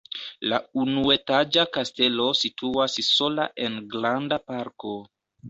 La unuetaĝa kastelo situas sola en granda parko.